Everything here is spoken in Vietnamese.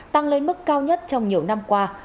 tăng lên mức cao nhất trong nhiều năm qua